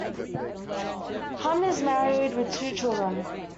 Hum is married with two children.